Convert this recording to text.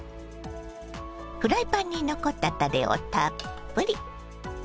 フライパンに残ったたれをたっぷり。